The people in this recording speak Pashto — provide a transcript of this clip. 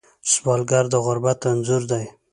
سوالګر د غربت انځور دی